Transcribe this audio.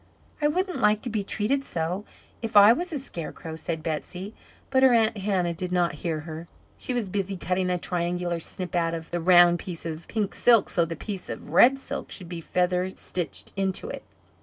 "I wouldn't like to be treated so, if I was a Scarecrow," said Betsey, but her Aunt Hannah did not hear her. She was busy cutting a triangular snip out of the round piece of pink silk so the piece of red silk could be feather stitched into it.